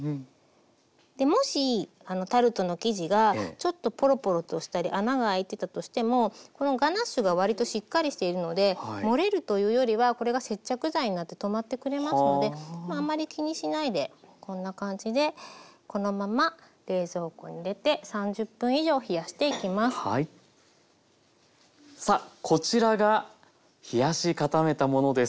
もしタルトの生地がちょっとポロポロとしたり穴があいてたとしてもこのガナッシュが割としっかりしているので漏れるというよりはこれが接着剤になって止まってくれますのでまああんまり気にしないでこんな感じでこのままさあこちらが冷やし固めたものです。